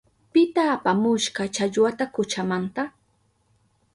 ¿Pita apamushka challwata kuchamanta?